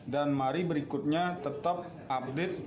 dan mari berikutnya tetap update